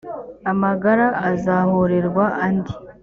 amagara azahorwe andi,